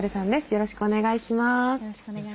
よろしくお願いします。